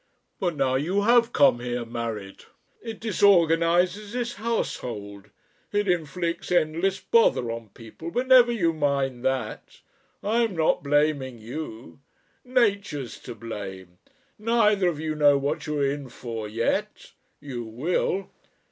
But now you have come here married. It disorganises this household, it inflicts endless bother on people, but never you mind that! I'm not blaming you. Nature's to blame! Neither of you know what you are in for yet. You will.